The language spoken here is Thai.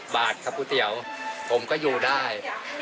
บาทครับก๋วยเตี๋ยวผมก็อยู่ได้